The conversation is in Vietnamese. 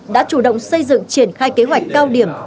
đã chủ động xây dựng triển khai kế hoạch cao điểm